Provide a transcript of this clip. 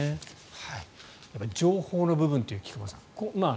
やっぱり情報の部分という菊間さん。